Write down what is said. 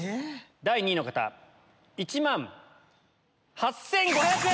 第２位の方１万８５００円！